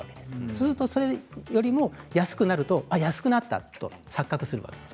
するとそれよりも安くなると安くなったと錯覚するわけです。